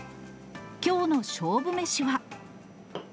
きょうの勝負メシは？